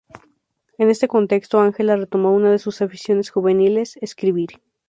En este contexto, Ángela retomó una de sus aficiones juveniles: escribir.